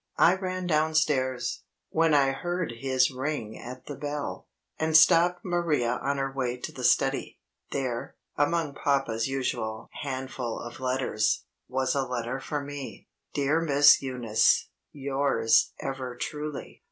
I ran downstairs, when I heard his ring at the bell, and stopped Maria on her way to the study. There, among papa's usual handful of letters, was a letter for me. "DEAR MISS EUNICE: ....... "Yours ever truly."